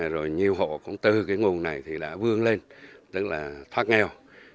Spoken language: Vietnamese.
rồi nhiều hộ cũng từ nguồn này vươn lên tức là thoát nghèo